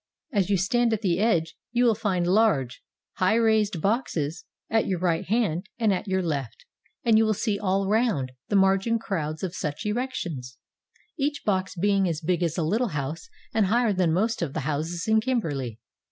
As you stand at the edge you will find large, high 449 SOUTH AFRICA raised boxes at your right hand and at your left, and you will see all round the margin crowds of such erections, each box being as big as a little house and higher than most of the houses in Kimberley.